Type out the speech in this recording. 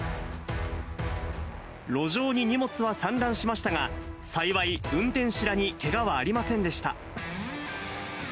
路上に荷物は散乱しましたが、幸い、運転手らにけがはありませんでした。